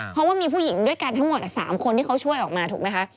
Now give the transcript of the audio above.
เพราะว่ามีผู้หญิงด้วยกันทั้งหมด๓คนที่เขาช่วยออกมาถูกไหมคะ